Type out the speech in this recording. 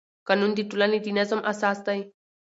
قانون د ټولنې د نظم اساس دی.